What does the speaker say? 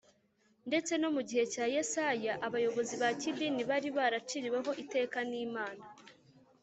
Ndetse no mu gihe cya Yesaya abayobozi ba kidini bari baraciriweho iteka n Imana